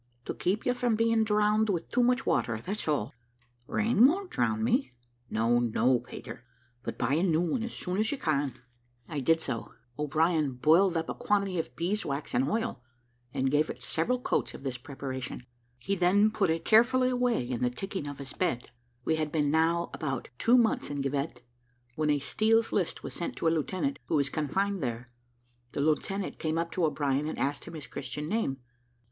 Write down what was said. "To keep you from being drowned with too much water, that's all." "Rain won't drown me." "No, no, Peter; but buy a new one as soon as you can." I did so. O'Brien boiled up a quantity of bees' wax and oil, and gave it several coats of this preparation. He then put it carefully away in the ticking of his bed. We had been now about two months in Givet, when a Steel's List was sent to a lieutenant, who was confined there. The lieutenant came up to O'Brien, and asked him his Christian name.